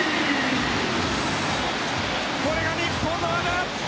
これが日本の和田！